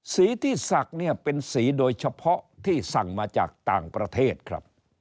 สีที่ศักดิ์เนี่ยเป็นสีโดยเฉพาะที่สั่งมาจากต่างประเทศครับ